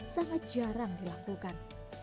sangat jarang dilakukan